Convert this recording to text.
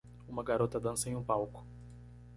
Uma garota dança em um palco.